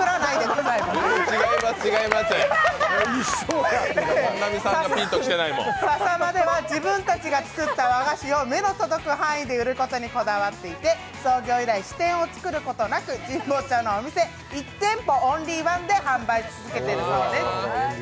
ささまでは自分たちで作った和菓子を目の届くところに置いて創業以来、支店を作ることなく、神保町のお店１店舗オンリーワンで販売し続けてるそうです。